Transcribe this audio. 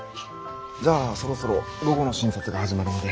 じゃあそろそろ午後の診察が始まるので。